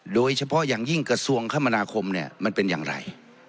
โดยเฉพาะอย่างยิ่งกระทรวงคมนาคมเนี่ยมันเป็นอย่างไร